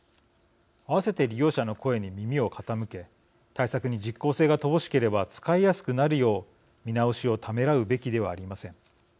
合わせて、利用者の声に耳を傾け対策に実効性が乏しければ使いやすくなるよう見直しをためらうべきではありません。